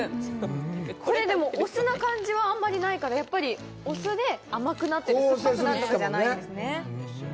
これでもお酢な感じはあんまりないからやっぱりお酢で甘くなってる酸っぱくなるとかじゃないんですね